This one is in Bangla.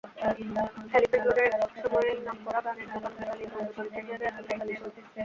এলিফ্যান্ট রোডের একসময়ের নামকরা গানের দোকান গীতালীর মূল দোকানটির জায়গায় এখন গীতালী সুজ।